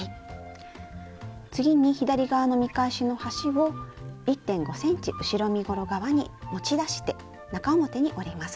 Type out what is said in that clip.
次に左側の見返しの端を１．５ｃｍ後ろ身ごろ側に持ち出して中表に折ります。